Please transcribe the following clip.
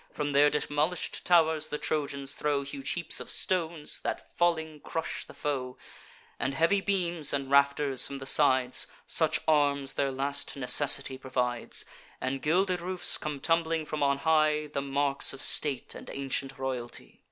From their demolish'd tow'rs the Trojans throw Huge heaps of stones, that, falling, crush the foe; And heavy beams and rafters from the sides (Such arms their last necessity provides) And gilded roofs, come tumbling from on high, The marks of state and ancient royalty.